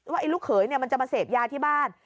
ไอ้ลูกเขยมันจะมาเสพยาที่บ้าน